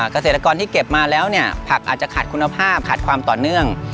เกษตรกรที่เก็บมาแล้วเนี่ยผักอาจจะขาดคุณภาพขาดความต่อเนื่อง